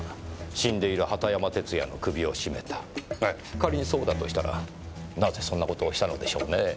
仮にそうだとしたらなぜそんな事をしたのでしょうね。